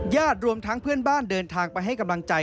รวมทั้งเพื่อนบ้านเดินทางไปให้กำลังใจ